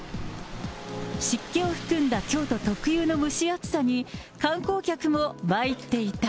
湿気を含んだ京都特有の蒸し暑さに、観光客も参っていた。